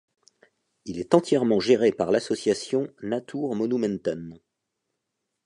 Il est entièrement géré par l'association Natuurmonumenten.